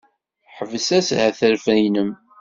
Ḥbes ashetref-nnem!